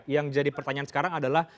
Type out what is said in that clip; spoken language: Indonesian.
yang jadi pertanyaan sekarang adalah